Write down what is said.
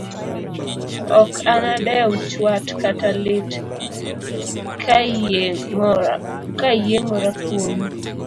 Ok anadew chwat kata lit kayiengora kuomi.